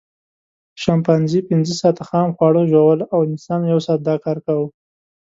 شامپانزي پینځه ساعته خام خواړه ژوول او انسان یو ساعت دا کار کاوه.